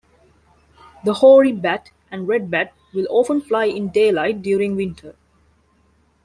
The hoary bat and red bat will often fly in daylight during winter.